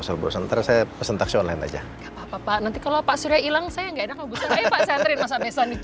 usah bosan tersebut sentaksi online aja nanti kalau pak sudah hilang saya nggak enak bisa